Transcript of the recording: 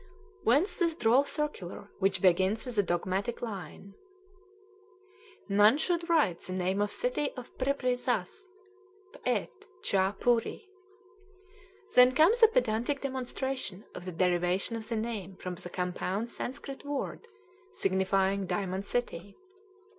Whence this droll circular, which begins with a dogmatic line: "None should write the name of city of Prippri thus P'et cha poory." Then comes a pedantic demonstration of the derivation of the name from a compound Sanskrit word, signifying "Diamond City."